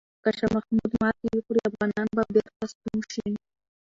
که شاه محمود ماتې وخوري، افغانان به بیرته ستون شي.